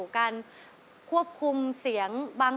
กลับมาฟังเพลง